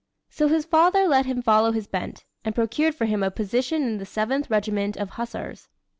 So his father let him follow his bent, and procured for him a position in the Seventh Regiment of Hussars.